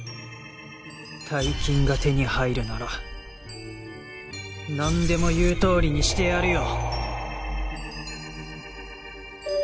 大金が手に入るならなんでも言うとおりにしてやるよ！